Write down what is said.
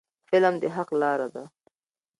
فلم د حق لاره ښيي